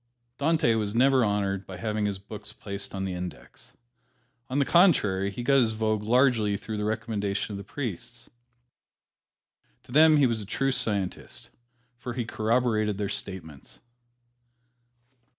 Dante was never honored by having his books placed on the "Index." On the contrary, he got his vogue largely through the recommendation of the priests. To them he was a true scientist, for he corroborated their statements.